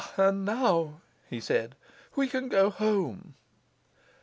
'And now,' he said, 'we can go home.